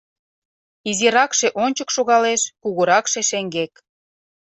Изиракше ончык шогалеш, кугуракше — шеҥгек.